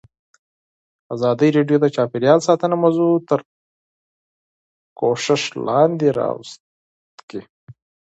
ازادي راډیو د چاپیریال ساتنه موضوع تر پوښښ لاندې راوستې.